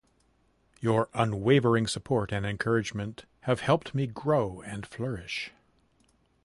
Your unwavering support and encouragement have helped me grow and flourish.